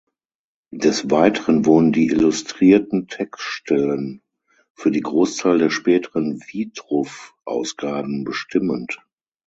Des Weiteren wurden die illustrierten Textstellen für die Großzahl der späteren Vitruv-Ausgaben bestimmend.